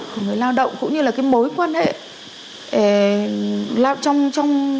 của người lao động cũng như là cái mối quan hệ